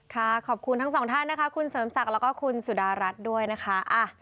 ขอบคุณทั้งสองท่านนะคะคุณเสริมศักดิ์แล้วก็คุณสุดารัฐด้วยนะคะ